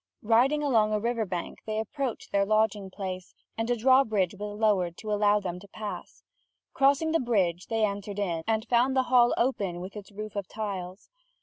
Riding along a river bank, they approached their lodging place, and a drawbridge was lowered to allow them to pass. Crossing the bridge, they entered in, and found the hall open with its roof of tiles.